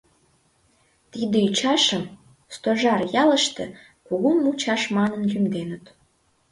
Тиде ӱчашым Стожар ялыште Кугу мучаш манын лӱмденыт.